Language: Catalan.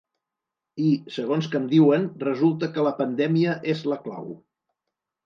I, segons que em diuen, resulta que la pandèmia és la clau.